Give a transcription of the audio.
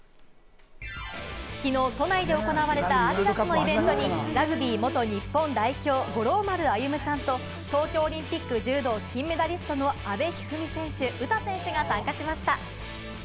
きのう都内で行われたアディダスのイベントに、ラグビー元日本代表・五郎丸歩さんと東京オリンピック柔道金メダリストの阿部一二三選手、詩選手が参加しました。